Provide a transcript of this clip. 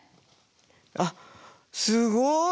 あっすごい！